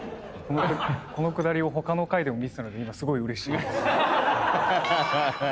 このくだりを他の回でも見てたので今すごいうれしい。